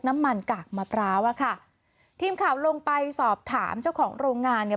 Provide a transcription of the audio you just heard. น้ำมันกากมะพร้าวอ่ะค่ะทีมข่าวลงไปสอบถามเจ้าของโรงงานเนี่ย